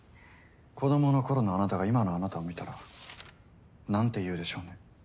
子供の頃のあなたが今のあなたを見たら何て言うでしょうね。